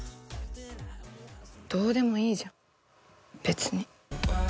どうでもいいじゃん、別に。